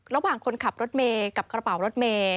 ระหว่างคนขับรถเมย์กับกระเป๋ารถเมย์